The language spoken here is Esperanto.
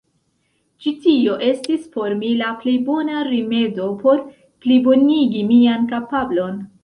Ĉi tio estis por mi la plej bona rimedo por plibonigi mian kapablon.